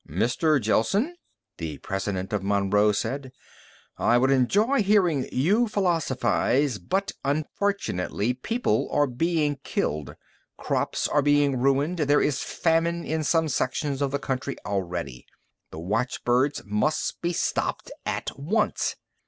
"Mr. Gelsen," the president of Monroe said, "I would enjoy hearing you philosophize, but, unfortunately, people are being killed. Crops are being ruined. There is famine in some sections of the country already. The watchbirds must be stopped at once!"